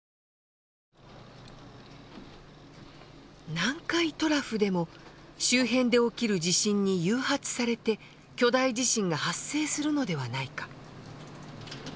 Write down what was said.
南海トラフでも周辺で起きる地震に誘発されて巨大地震が発生するのではないか。